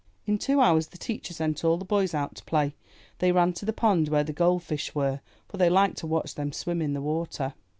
In two hours the teacher sent all the boys out to play. They ran to the pond where the gold fish were, for they liked to watch them swim in the water.